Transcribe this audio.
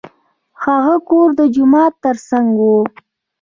هغه کور د جومات تر څنګ و.